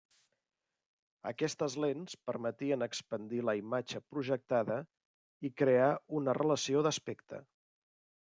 Aquestes lents permetien expandir la imatge projectada i crear una relació d'aspecte.